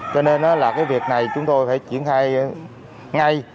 cho nên là cái việc này chúng tôi phải chuyển thay ngay